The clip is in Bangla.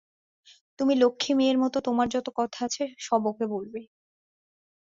তুমি লক্ষ্মী মেয়ের মতো তোমার যত কথা আছে, সব ওকে বলবে।